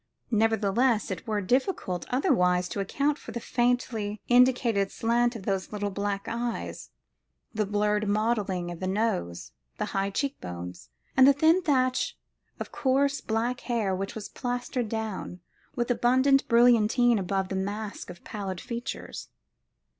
Nevertheless, it were difficult otherwise to account for the faintly indicated slant of those little black eyes, the blurred modelling of the nose, the high cheekbones, and the thin thatch of coarse black hair which was plastered down with abundant brilliantine above that mask of pallid features.